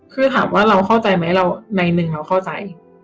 คือถามว่าเราเข้าใจไหมเราในหนึ่งเราเข้าใจ